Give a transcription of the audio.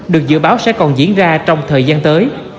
được dự báo sẽ còn diễn ra trong thời gian tới